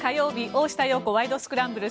「大下容子ワイド！スクランブル」。